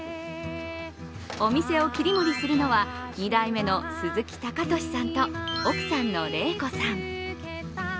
お店を切り盛りするのは２代目の鈴木敬利さんと奥さんの冷子さん。